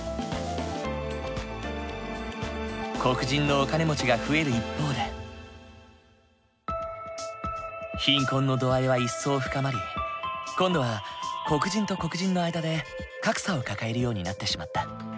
黒人のお金持ちが増える一方で貧困の度合いは一層深まり今度は黒人と黒人の間で格差を抱えるようになってしまった。